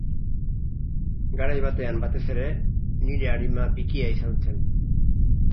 Garai batean batez ere, nire arima bikia izan zen.